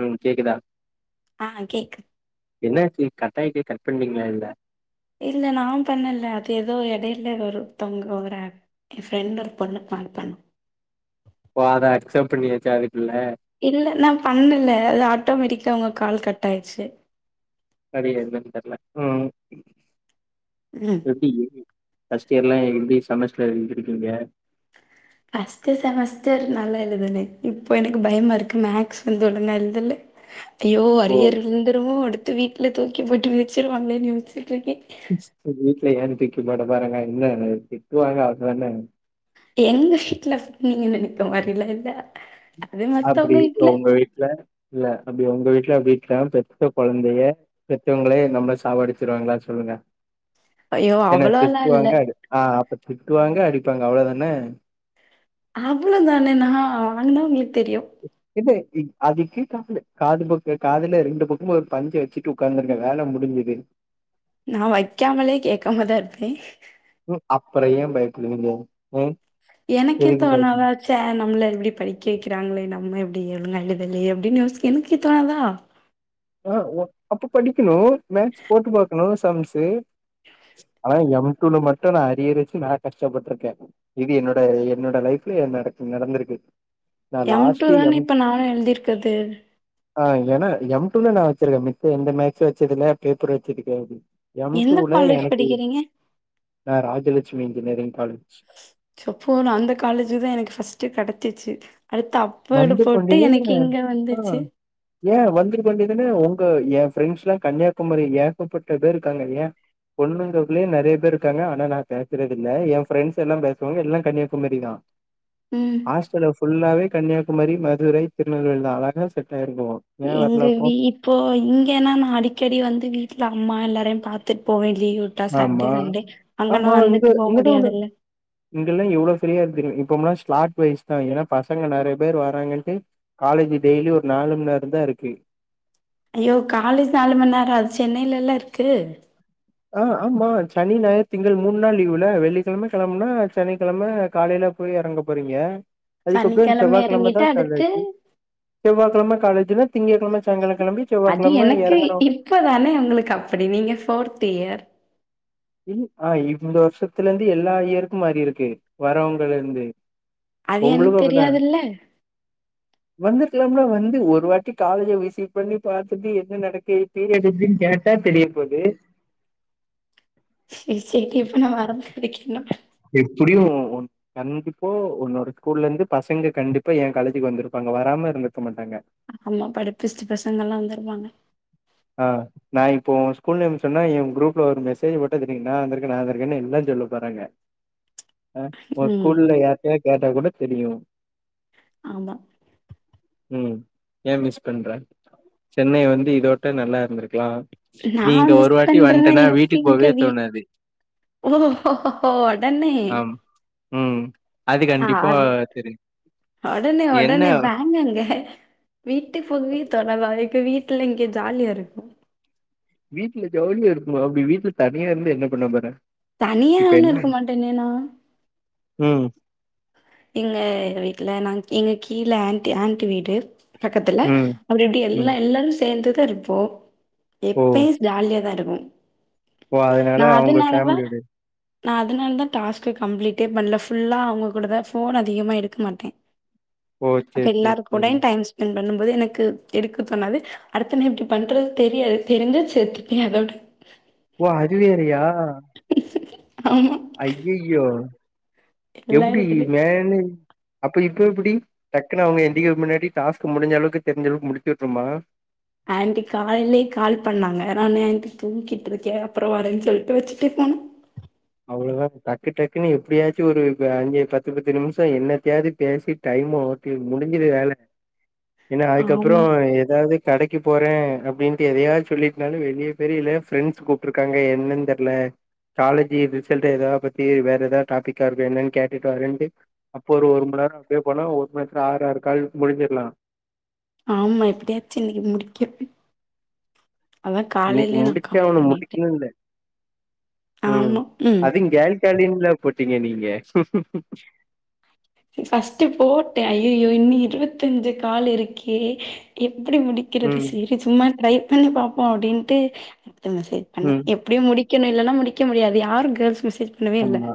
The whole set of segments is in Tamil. ம் கேக்குதா ஆ கேக்குது என்னாச்சு கட்டாயிட்டு கட் பண்ணீங்களா இல்ல இல்ல நான் பண்ணல அது ஏதோ இடைல ஒருத்தவங்க என் ஃப்ரெண்ட் ஒரு பொண்ணு கால் பண் ஓ அத அக்செப்ட் பண்ணியாச்சா அதுக்குல்ல இல்ல நா பண்ணல அது ஆட்டோமேட்டிக்காக உங்க கால் கட் ஆயிடுச்சு சரி எதுக்குனு தெர்ல ம் ம் எப்படி இருக்கு ஃப்ர்ஸ்ட் இயர்லா எப்டி செமஸ்டர்லா எழுதுருக்கீங்க ஃபர்ஸ்ட்ட் செமஸ்டர் நல்லா எழுதுனே இப்போ எனக்கு பயமா இருக்கு மேக்ஸ் வந்து ஒழுங்கா எழுதல ஐயோ ஓ அரியர் இருந்துமோ அடுத்து வீட்ல தூக்கி போட்டு மிச்சிருவாங்களேனு யோசிச்சுட்டு இருக்கே வீட்ல ஏன்னு கேக்கமாட்ட பாருங்க என்ன திட்டுவாங்க அதான எங்க செட்டுல ஃப்ரி நீங்க நெனைக்குற மாரிலா இல்ல அது அப்டி மத்தவங்க வீட்ல உங்க வீட்ல இல்ல அப்டி உங்க வீட்ல அப்டி த பெத்த கொழந்தய பெத்தவங்களே நம்ம சாவடிச்சிருவாங்களா சொல்லுங்க ஐயோ என்ன அவ்வளோலாம் இல்ல திட்டுவாங்க அடிப் ஆ அப்ப திட்டுவாங்க அடிப்பாங்க அவ்ள தானே அவ்ளோ தானே நா வந்தா உங்களுக்கு தெரியும் இல்லே இ அதுக்கேக்காமலே காதுலக்கு காதுல ரெண்டு பக்கமு ஒரு பஞ்ச வச் ச்சிட்டு உக்காந்துருக்க வேல முடிஞ்சுது நா வைக்காமலே கேக்காமதா இர்பே ம் அப்புற ஏன் பயப்படுவீங்க ம் எதுக்கு பயப்ப எனக்கேத்தவணாவத் ச்ச நம்மள எப்டி படிக்க வைக்கிறாங்களே நம்ம எப்டி எழுங்க எழுதலே அப்படின்னு யோசிக்க என் எனக்கு தோணாதா அ ஓ அப்ப படிக்கணும் மேக்ஸ் போட்டு பாக்கணும் சம்ஸ்ஸு ஆனா எம் டூல மட்டும் நா அரியர் வச்சி நா கஷ்டப்பட்ருக்க இது என்னோட என்னோட லைஃப்ல நட நடந்திருக்கு நா எம் டு லாஸ்ட்டு தான எம் இப்ப நானு எழுதிருக்குறது ஆ எம எம் டூல நா வச்சிருக்க மித்த எந்த மேக்ஸ் வச்சிருந்த பேப்பர் வச்சதுக்கே எம் எந்த டூல காலேஜ் எனக்கு படிக்கிறீங்க? நா ராஜலட்சுமி இன்ஜினியரிங் காலேஜ் ஸப்போ நா அந்த காலேஜ் தா எனக்கு ஃபர்ஸ்ட்டு கடச்சிச்சு அடுத்த அப் போர்டு வந்து போட்டு கொண்டே எனக்கு இங்க ஆ வந்துச்சு ஏன் வந்துருக்க வேண்டியதான உங்க என் ஃப்ரெண்ட்ஸ்லாம் கன்னியாகுமரி ஏகப்பட்ட பேர் இருக்காங்க ஏன் பொண்ணுங்ககுல்லயே நெறைய பேர் இருக்காங்க ஆனா நா பேசுறதில்ல என் ஃப்ரண்டஸ் எல்லா பேசுவாங்க எல்லா கன்னியாகுமரி தான் ம் ஹாஸ்டல்ல ஃபுல்லாவே கன்யாகுமரி மதுரை திருநெல்வேலிதா அழகா செட்டாயிருக்கு எங்க வீட் ப்போ இங்கேன்னா நா அடிக்கடி வந்து வீட்ல அம்மா எல்லாரையு பாத்துட் போவே லீவ் ந்த சாட்டே ஆமா. சண்டே அங்கன்னா வந்துட்டு போ முடியாதுல்ல இங்கல்லா எவ்ளோ ஃப்ரீயா இருக்கு இப்போம்லா ஸ்லாட் வைஸ்தா ஏன்னா பசங்க நெறைய பேர் வராங்கன்ட்டு காலேஜ் டெய்லி ஒரு நாலும் நேரந்தா இருக்கு ஐயோ காலேஜ் நாலு மணி நேரோ அது சென்னைலல்ல இருக்கு ஆ ஆமா சனி ஞாயர் திங்கள் மூண் நாள் லீவுல்ல வெள்ளிக்கெழம கெளம்னா சனிக்கெழம காலைல போய் எறங்க போறீங்க அதுக்கப்புறம் சனிக்கிழமை செவ்வாய்கெழமதா இறங்கிட்டு அடுத்து காலேஜ் செவ்வாக்கெழம காலேஜுல திங்ககெழம சாய்ங்கால கெளம்பி செவ்வாக்கெழம எறங்கணு இப்ப தானே உங்களுக்கு அப்டி நீங்க ஃபோர்த் இயர் ஆ இந் இந்த வருஷத்துலேந்து எல்லா இயருக்கு ஆரியருக்கு வரவங்கள்ளேந்து அது எனக்கு உங்களுக்கு அப்டிதா தெரியாதுல்ல வந்துருக்கலாம்ல வந்து ஒரு வாட்டி காலேஜீ விசிட் பண்ணி பாத்துட்டு என்ன நடக்கு [unintelligible] கேட்டா தெரிய போது சேரி சேரி எப்டித்தா மறந்து [unintelligible] எப்டியு ஒன் கண்டிப்போ உன்னோட ஸ்கூல்லேந்து பசங்க கண்டிப்பா எ காலேஜுக்கு வந்திருப்பாங்க வராம இருந்திருக்க மாட்டாங்க ஆமா படிப்பிஸ்ட் பசங்களா வந்துருபாங்க அ நா இப்போ ஸ்கூல் நேம் சொன்னா என் க்ரூப்ல ஒரு மெசேஜ் போட்டு தெரியுங்லா நா வந்ருக்கே நா வந்ருக்கேன்னு எல்லா சொல்ல போறாங்க அ ஒ ம் ஸ்கூல்ல யார்ட்டையா கேட்டா கூட தெரியு ஆமா ம் ஏ மிஸ் பண்ற சென்னை வந்து இதோட் ட்ட நல்லா இருந்திருக்கலா நீ இங்க நான் ஒரு மிஸ் வாட்டி பண்றேன்னா வந்டனா வீட்டுக்கு போவே தோணாது உகு ஓ கோ கோ கோ உடணே ஆம் ம் அது ஆ கண்டிப்பா அது தெரியு ஒடனே என்ன ஒடனே வங்கங்க வீட்டுக்குள்ளியே தொலவா எங்க வீட்டுல இங்க ஜாலியா இருக்கு வீட்டுல ஜாலியா இருக்குமா அப்டி வீட்டுல தனியா இருந்து என்ன பண்ணபோற தனியா ஒன்னு இருக்க மாட்டனே நா ம் எங்க வீட்டில நாங் எங்க கீழ ஆன்ட்டி ஆண்ட்டி வீடு பக்கத்துல ம் அப்றோ எப்டி எல்லா ம் எல்லாரு சேந்துதா இருப்போ ஓ எப்பியு ஜாலியா தா இருக்கு ஓ அதனால அவுங்க ஃபேமிலியோட நா அதனாலதா டாஸ்கு கம்ப்ளீட்டே பண்ல ஃபுல்லா அவுங்க கூடதா ஃபோன் அதிகமா எடுக்க மாட்டே ஓ அப்ப சேரி சேரி எல்லாரு சேரி கூடயு டைம் ஸ்பெண்ட் பண்ணும்போது எனக்கு எடுக்க தோணாது அடுத்து நா இப்டி பண்றது தெரியாது தெரிஞ்சா செத்துருப்பிங்க அதோட ஓ அதுவேறயா ஆமா ஐயயோ எல்லா எப்டி எடத்துலயு மேனேஜ் அப்ப இப்ப எப்டி டக்குன்னு அவுங்க எந்திக்றதுக்கு முன்னாடி டாஸ்க் முடிஞ்ச அளவுக்கு தெரிஞ்சளவுக்கு முடித்து விட்ருமா ஆன்டி காலைலயே கால் பண்ணாங்க நானு ஆன்டி தூங்கிட்டுருக்கே அப்றோ வரேன்னு சொல்ட்டு வச்சுட்டே ஃபோன அவ்ளோதா டக்கு டக்குன்னு எப்டியாச்சு ஒரு வ அஞ்சு பத்து பத்து நிம்ஷோ என்னத்தயாது பேசி டைம் ஓட்டி முடிஞ்சுது வேல என்ன அதுக்கப்றோ ஆமா ஏதாது கடைக்கு போறே அப்டின்ட்டு எதையாச் சொல்லிட்னாலு வெளிய [unintelligible] ஃப்ரெண்ட்ஸ் கூப்பிட்ருக்காங்க என்னன் தெர்ல காலேஜ்ஜீ ரிசல்ட்டு எதாபத்தி வேற ஏதாடாபிக்காருக்கு என்னன்னு கேட்டுட்டு வரன்ட்டு அப்போ ஒரு மண்நேரோ அப்டியே போனா ஒரு மண் நேத்துல ஆற் ஆறு கால் முடிஞ்சிற்லா ஆமா எப்டியாச்சு இன்னைக்கி முடிக்கிர்னு அதா இன்னைக்கு காலையிலயே நா முடிச்சு கால் ஆவனு பண்ணிட்டே முடிக்கணுன் ம் ஆமா ம் அது கேல்காலின்ல போட்டீங்க நீங்க ஃபஸ்ட்ட் போட்டே ஐயோ இன்னி இருபத்தஞ்சு கால் இருக்கே எப்டி முடிக் கிறது ம் செரி சும்மா ட்ரை பண்ணி பாப்போ அப்டின்டு அப்றோ மெஸேஜ் பண்ணே ம் எ ப்டியோ முடிக்கணு இல்லைனா முடிக்க முடியாது யார் கேள்ஸ் மெஸேஜ் பண்ணவே இல்ல ஆமா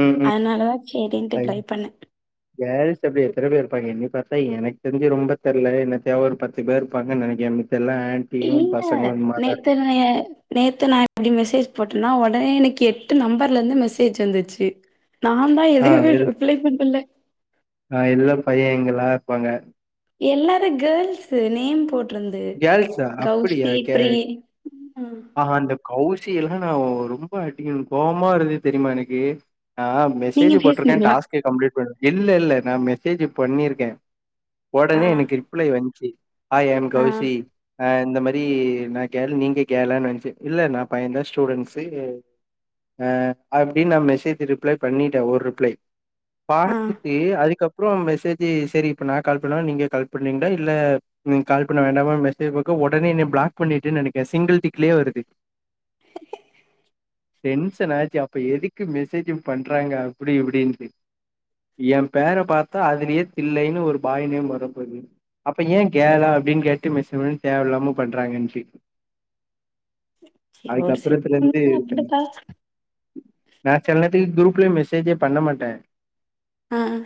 ம் ம் ம் அதனாலதா செரின்ட்டு ஐயோ ட்ரை பண்ணே கேர்ள்ஸ் அப்டி எத்தன பேரு இருப்பாங்க எண்ணி பாத்தா எனக்கு தெரிஞ்சு ரொம்ப தெர்ல என்னத்தயா ஒரு பத்து பேருப்பாங்க நெனைக்கே மு எல்லா ஆன் இல்ல நேத்து ந நேத்து நா அப்டி மெசேஜ் போட்டோனா உடனே எனக்கு எட்டு நம்பர்ல இருந்து மெசேஜ் வந்துச்சு நா தா ஆ எதயுமே எல் ரிப்ளை பண்ணல ஆ இல்ல பையங்கெல்லா இருப்பாங்க எல்லாரு கேர்ள்ஸ்ஸு நேம் போ ட்ருந்து கேர்ள்ஸா அப்டியா கௌசி கே பிரி ஆ அந்த கௌசி எல்லா நா ரொம்ப [unintelligible] கோபமா வருது தெரியுமா எனக்கு ஆ மெசேஜ நீங்க போட்டிருக்கே பேசுனீங்களா டாஸ்க கம்ப்ளீட் பண்ணனு இல்ல இல்ல நா மெசேஜ்ஜீ பண்ணிருக்கே ஆ ஒடனே எனக்கு ரிப்ளை வந்துச்சு ஹாய் ஐம் ஆ கௌ ஆ இந்த மாரி நா கேள்லு நீங்க கேளனு வந்துச்சு இல்ல நா பையன்தா ஸ்டூடெண்ட்ஸு அ அப்டின்னு நா மெசேஜ் ரிப்ளை பண்ணட்டே ஒரு ரிப்ளை ஆ பாத்தட்டு அதுக்கப் றோ மெசேஜ்ஜீ செரி இப்ப நா கால் பண்ணவா நீங்க கால் பண்ணீங்களா இல்ல நீங்க கால் பண்ண பண்ணவா மெசேஜ்ஜீ பாக்க ஒடனே என்னைய பிளாக் பண்ணிட்டு நெனைக்க சிங்கிள் டிக்லியே வருது டென்ஷன் ஆச்சு அப்றோ எதுக்கு மெசேஜு பண்றாங்க அப்டி இப்டின்னுட்டு என் பேர பாத்தா அதுலியே தில்லைன்னு ஒரு பாய் நேம் வரப்போது அப்ப ஏன் கேளா அப்டின்னு கேட்டு மெசேஜ் பண்ணு தேவ இல்லாம பண்றாங்கன்ட்டு சரி ஒரு சில அதுக்கப்புறத்துலேந்து பொண்ணுங்க அப்படித்தா நா செல நேரத்துக்கு குரூப்லயு மெசேஜே பண்ண மாட்டே ம்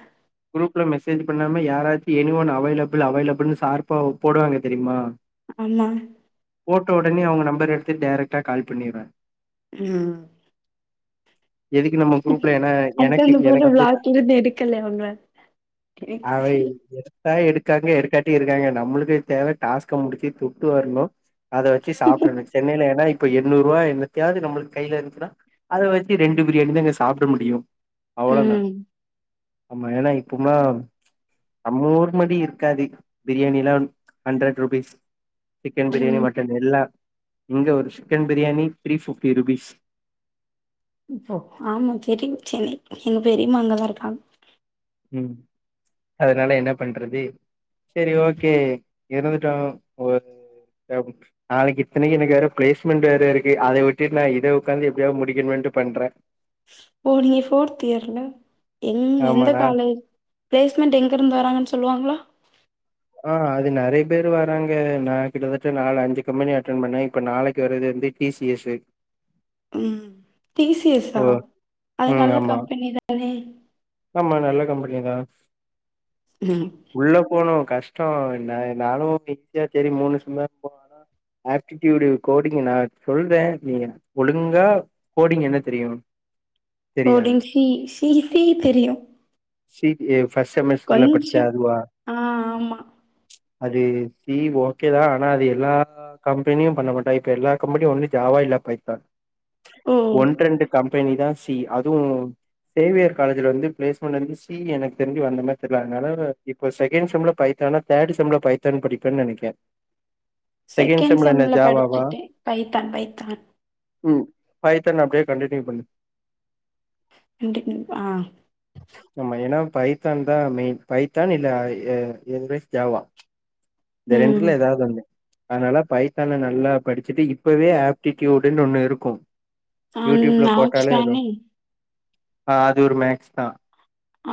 குரூப்ல மெசேஜ் பண்ணாம யாராச்சி எனி ஒன் அவைலபிள் அவைலபிள்னு சார்ப்பா போட்றாங்க தெரியுமா ஆமாம் போட்ட உடனே அவங்க நம்பர் எடுத்து டைரக்டாக கால் பண்ணிறே ஹவ் எதுக்கு நம்ம குரூப்ல ஏன்னா அதுக்கு எனக்கு அந்த பொண்ணு எனக்கு வந்து ப்ளாக்ல இருந்து எடுக்கல உங்க அவை அத எடுக்காங்க எடுக்காட்டி இருக்காங்க நம்மளுக்கு தேவை டாஸ்க்க முடிச்சு துட்டு வரணு அத வச்சு சாப்ட்டுன்னு சென்னையில ஏன்னா இப்ப எண்ணூறு ரூபா என்னத்தையாவது நம்மளுக்கு கையில இருச்சுனா அத வெச்சு ரெண்டு பிரியாணி தாங்க சாப்ட முடியு அவ்ளதா ம் ஆமா ஏனா இப்புமாம் நம்ம ஊர் மாரி இருக்காது பிரியாணி எல்லாம் ஹண்ட்ரட் ருபீஸ் சிக்கன் பிரியாணி ம் மட் டன் எல்லா இங்க ஒரு chicken biryani three fifty rupees ப்போ ஆமா தெரிங் தெரிங் எங் பெரிமா அங்கதா இருக்காங்க ம் அதனால என்ன பண்றது சரி ஓகே இருந்துட்டோ ஒர் பாதிக் நாளைக்கு இத்தனைக்கு எனக்கு வேற பிளேஸ்மெண்ட் வேற இருக்கு அத விட்டுட் நா இத உக்காந்து எப்டியாவாது முடிக்கணுமேன்ட்டு பண்றே ஓ நீங்க போர்த் இயர்ல எங் ஆமா எந்த நா காலே பிளேஸ்மெண்ட் எங்கருந்து வராங்கன் சொல்லுவாங்ளா ஆங் அது நெறைய பேரு வராங்க நா கிட்டத்தட்ட நாலு அஞ்சு கம்பெனி அட்டென் பண்ணே இப்ப நாளைக்கு வரது வந்து டி சி எஸ்ஸு ம் டி சி எஸ்ஸா அது ம் நல்ல ஆமா கம்பெனி தானே ஆமா நல்ல கம்பெனி தா ம் உள்ள போனு கஷ்டோ நா நானு ஈஸியா சரி மூணு செம்மா போ ஆப்டிட்யூடு கோடிங்க நா சொல்றே நீங ஒழுங்கா கோடிங் என்ன தெரியு தெரியாது கோடிங் சி சி தெரியும் சி பி ஏ ஃபர்ஸ்ட் செமஸ்டர்ல கொஞ்சோ பட்ச்ச அதுவா ஆ ஆமா அது சீ ஓகே தா ஆனா அது எல்லா கம்பெனியு பண்ண மாட்டா இப்ப எல்லா கம்பெனியு ஒன்னு ஜாவா இல்ல பைத்தான் ஓ ஒன் ரெண்டு கம்பெனி தா சி அதுவும் சேவியர் காலேஜ்ல வந்து பிளேஸ்மெண்ட்ந்து சி எனக்கு தெரிஞ்சு வந்த மாரி தெர்ல அதனால இப்ப செகண்ட் செம்ல பைத்தானு தேர்ட் செம்ல பை த்தான் படிப்பன் நெனைக்கே செகண்ட் செம்ல படிச்சுட்டே பைத்தான் பைத்தான் ம் ஃபைத்தான் அப்டியே கண்டியூ பண்ணு கண்டினியூ ஆஹ் ஆமா ஏன்னா பைத்தான் தா மெயின் பைத்தான் இல்ல எ எனிவேஸ் ஜாவா இந்த ம் ரெண்டல ஏதாவது ஒன்னு அதனால பைத்தான நல்லா படிச்சுட்டு இப்பவே ஆப்டிடியூடுன்னு ஒண்ணு இருக்கும் ஆ யூட்டூப்ல ஆப்ஸ் போட்டாலே வரு தானே ஆங் அது ஒரு மேக்ஸ் தா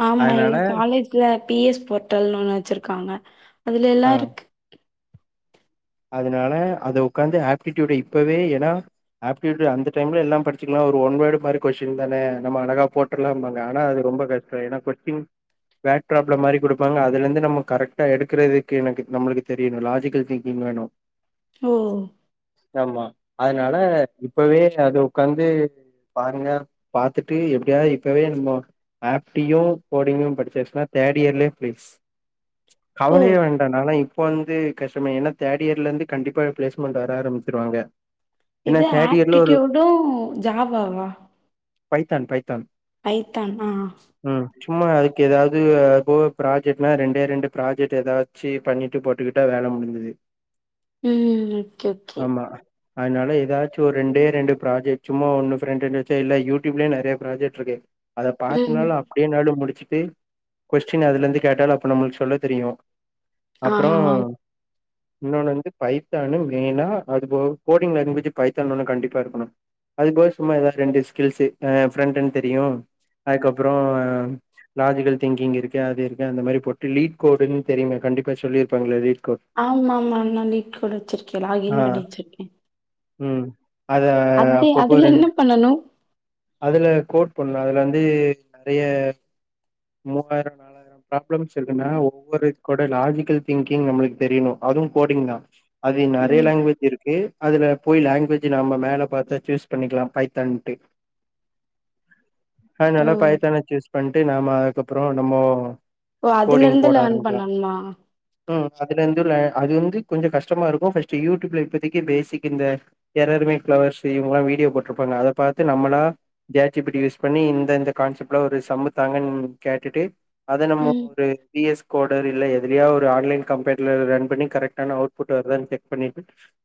ஆமா அதனால எங்க காலேஜ்ல பி எஸ் போர்ட்டல்னு ஒண்ணு வச்சிருக்காங்க அதுல ஆ எல்லா இருக்கு அதனால அத உக்காந்து ஆப்டிடூயூட இப்பவே எனா ஆப்டிட்யூடு அந்த டைம்ல எல்லா படிச்சுக்கலா ஒரு ஒன் வேர்டு மாரி கொஸ்டின் தானே நம்ம ஆழகா போட் ருலாம்பாங்க ஆனா அது ரொம்ப கஷ்டம் எனா கொஸ்டின் பேட் ப்ராப்ளம் மாரி குடுப்பாங்க அதுலந்து நம்ம கரக்டா எடுக்கறதுக்கு எனக்கு நம்மளுக்கு தெரியணு லாஜிக்கல் திங்க் கிங் வேணு ஓ ஆமா அதனால இப்பவே அது உக்காந்து பாருங்க பாத்துட்டு எப்டியாது இப்பவே நம்ம ஆப்டியு கோடிங்கு படிச்சனா தேர்ட் இயர்லயே ப்ளேஸ் ஓ கவலைய வேண்டா நா இப்ப வந்து கஷ்டமே ஏன்னா தேர்ட் இயர்லந்து கண்டிப்பா ப்ளேஸ்மெண்ட் வர ஆரம்பிச்சிருவாங்க ஏன்னா இது தேர்ட் இயர்ல ஒரு ஆப்டிடூடு ஜவாவா பைத்தான் பைத்தான் பைத்தான் ம் சும்மா அதுக்கு ஏதாது போ ப்ராஜெக்ட்னா ரெண்டே ரெண்டு ப்ராஜெக்ட் ஏதாது வச்சி பண்ணிட்டு போட்டுக்கிட்டா வேல முடுஞ்சது ம் ம் ஆமா அதனால ஏதாச்சும் ஒரு ரெண்டே ரெண்டு ப்ராஜெக்ட் சும்மா ஒன்னுக்கு ரெண்ட் வச்சா இல்ல யூடியூப்லயே நெறைய ப்ராஜெக்ட் இருக்கு அதை ம் பாத்தனாலு அப்டியேனாலு முடிச்சுட்டு கொஸ்டின் அதுல இருந்து கேட்டாலு அப்ப நம்மளுக்கு சொல்ல தெரியு அப்ற ஆ இன்னொன்னு வந்து பைத்தான்னு மெயினா அது போ கோடிங் லாங்குவேஜ் பைத்தான் ஒண்ணு கண்டிப்பா இருக்கணு அது போய் சும்மா ஏதாது ரெண்டு ஸ்கில்ஸ் ப்ரண்டன்னு தெரியு அதுக்கப்ற லாஜிக்கல் திங்கிங் இருக்கு அது இருக்கு அந்த மாதிரி போட்டு லீட் கோடுன்னு தெரியு கண்டிப்ப சொல்லியிருப்பாங்கள லீட் கோட் ஆமா ஆமா நான் லீக் கோட் வச்சிருக்கே ஆ லாக்இன் பண்ணி விச்சிருக்கே ம் அத அப்பப்ப அதுல என்ன ரெண்டு பண்ணனு அதுல கோட் பண்ணு அதுல வந்து நெறைய மூவாயிர நாளா ப்ராப்ளம் சொல்ரன்னா ஒவ்வொரு கூட லாஜிக்கல் திங்கிங் நம்மளுக்கு தெரியணு அதுவு கோடிங்தா அது நெறைய ம் லாங்குவேஜ் இருக்கு அதுல போய் லாங்குவேஜ் நம்ம மேல பாத்தா சூஸ் பண்ணிக்கலா பைத்தான்ட்டு ஆ ஓ நல்லா பைத்தான சூஸ் பண்ட்டு நாம அதுக்கப்ற நம்மோ ஓ அதுல கோடிங் இருந்து போட லேர்ன் ஆரம்பிக்கலா பண்ணணுமா ம் அதுலருந்து அது வந்து கொஞ்ச கஷ்டமா இருக்கு ஃபர்ஸ்ட் யூடியூப்ல இப்பதைக்கு பேசிக் இந்த எறருமேக் ஃப்ளவர்ஸ் இவங்கல்லா வீடியோ போட்ருப்பாங்க அத பாத்து நம்மளா Jat C B D use பண்ணி இந்த இந்த கான்செப்ட்ல ஒரு சம்முத்தாங்கன் கேட்டுட்டு அத நம்ம ம் ஒரு பி எஸ் கோடர் இல்ல எதலயா ஒரு ஆன்லைன் கம்பெர்ல ரன் பண்ணி கரெக்டான அவுட் புட் வருதான்னு செக் பண்ணிட்டு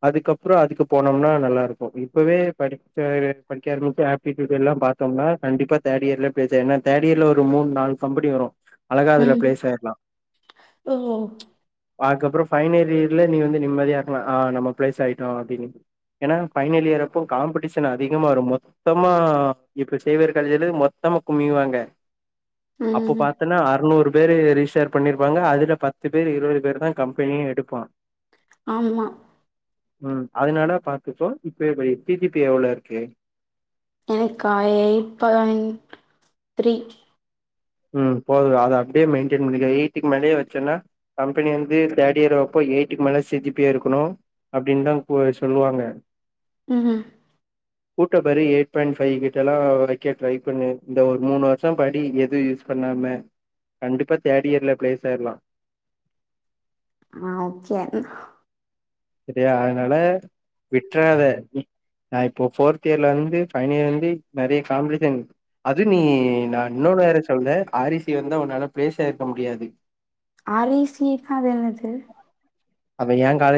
அதுக்கப்புறம் அதுக்கு போனோம்னா நல்லாருக்கு இப்பவே படிச்ச படிக்காரமிச்சப் இது இது எல்லா பாத்தோன்னா கண்டிப்பா தேர்ட் இயர்லயே ப்ளேஸ் ஏனா தேர்ட் இயர்ல ஒரு மூணு நாலு கம்பனி வரு அழகா அதுல ம் ப்ளேஸ் ஆயிரலா ஓ அதுக்கப்புற ஃபைன்னல் இயர்ல நீங்க வந்து நிம்மதியாகலா ஆ நம்ம பிளேஸ் ஆயிட்டோ அப்படின்னு ஏன்னா ஃபைனல் இயர் அப்போ காம்படிஷன் அதிகமா வரும்போ மொத்தமா இப்ப சேவியர் காலேஜ்லே மொத்தமா குமியிவாங்க அப்போ ம் பாத்தன்னா அறுநூறு பேரு ரிஷ் டர் பண்ணிருப்பாங்க அதுல பத்து பேர் இருபது பேர்தா கம்பெனியு எடுப்பான் ஆமா ம் அதனால பாத்துக்கோ இப்பயே போய் சி ஜி பி எ எவ்ளோ இருக்கு எனக்கா எயிட் பாயிண்ட் த்ரீ ம் போதும அத அப்டியே மெயின்டயன் பண்ணிக்க எயிட்டிக்கு மேலயே வச்சன்னா கம்பெனி வந்து தேர்ட் இயர் வைப்போ எயிட்க்கு மேல சி ஜி பியே இருக்கணுமா இந்த அப்டின் தான் போ சொல்லுவாங்க ம் ம் கூட்ட பாரு எயிட் பாயிண்ட் பைவ் கிட்டன்னா வைக்க ட்ரை பண்ணு இந்த ஒரு மூணு வருஷ படி எது பண்ணாம கண்டிப்பா தேர்ட் இயர்ல பிளேஸ் ஆயிரலா ஆ ஓகே சரியா அதனால விட்றாத நா இப்போ ஃபோர்த் இயர்ல வந்து ஃபைனல் இயர் வந்து நெறைய காம்டிஷன் அது நீ நா இன்னொனு வேற சொன்னே ஆர் ஏ சி வந்தா ஒன்னால பிளேஸ் ஆகிருக்க முடியாது ஆர் ஏ சி னா அது என்னது அப்ப ஏ காலே